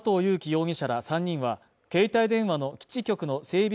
容疑者ら３人は、携帯電話の基地局の整備